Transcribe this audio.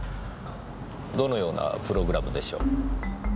どのようなプログラムでしょう？